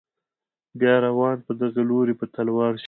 بیا روان په دغه لوري په تلوار شو.